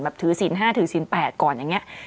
ถือศีล๕ถือศีล๘ก่อนอย่างนี้